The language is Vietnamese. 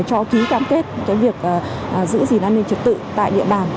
cho ký cam kết cái việc giữ gìn an ninh trật tự tại địa bàn